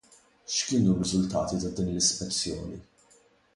X'kienu r-riżultati ta' din l-ispezzjoni?